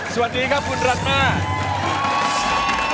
สวัสดีครับคุณรันมาก